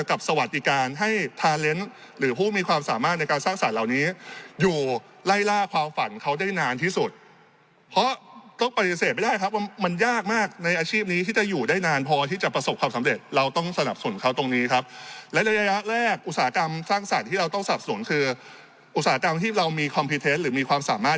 สวัสดิการให้ทาเลนส์หรือผู้มีความสามารถในการสร้างสรรคเหล่านี้อยู่ไล่ล่าความฝันเขาได้นานที่สุดเพราะต้องปฏิเสธไม่ได้ครับว่ามันยากมากในอาชีพนี้ที่จะอยู่ได้นานพอที่จะประสบความสำเร็จเราต้องสนับสนุนเขาตรงนี้ครับและระยะแรกอุตสาหกรรมสร้างสรรค์ที่เราต้องสับสนคืออุตสาหกรรมที่เรามีคอมพิวเทนต์หรือมีความสามารถ